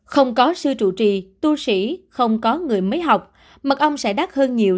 không có sư trụ trì tu sĩ không có người mới học mật ong sẽ đắt hơn nhiều